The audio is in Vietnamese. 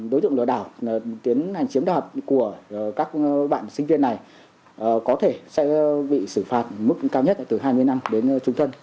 đối tượng lừa đảo tiến hành chiếm đoạt của các bạn sinh viên này có thể sẽ bị xử phạt mức cao nhất từ hai mươi năm đến trung thân